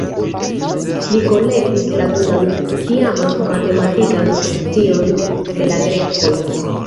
Li kolektis la tutan tiaman matematikan scion de la grekoj.